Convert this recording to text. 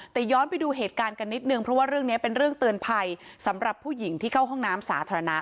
แต่ย้อนไปดูเหตุการณ์กันนิดนึงเพราะว่าเรื่องนี้เป็นเรื่องเตือนภัยสำหรับผู้หญิงที่เข้าห้องน้ำสาธารณะ